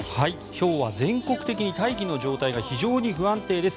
今日は全国的に大気の状態が非常に不安定です。